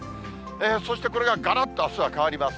そしてこれががらっとあすは変わります。